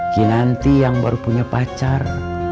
kinanti yang baru punya pacar